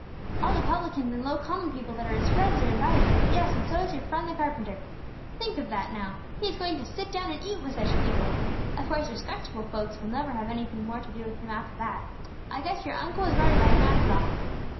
"All the publicans and low common people that are his friends are invited. Yes, and so is your friend the carpenter. Think of that, now! He is going to sit down and eat with such people! Of course respectable folks will never have anything more to do with him after that! I guess your uncle was right about him, after all!"